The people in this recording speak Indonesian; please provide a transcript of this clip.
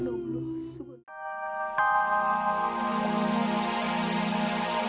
dan lelaki itu pun picks punya beter